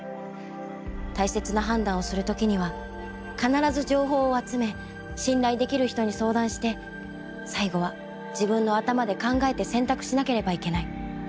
大切な判断をする時には必ず情報を集め信頼できる人に相談して最後は自分の頭で考えて選択しなければいけない。